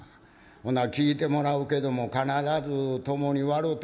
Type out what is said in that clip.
ほな聞いてもらうけども必ず共に笑てなや」。